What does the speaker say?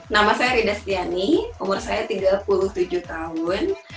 nama saya rida setiani umur saya tiga puluh tujuh tahun